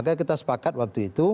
jadi kita sepakat waktu itu